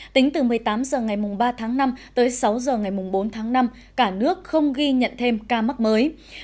tính từ một mươi tám h ngày ba tháng năm tới sáu h ngày bốn tháng năm cả nước không ghi nhận thêm ca mắc mới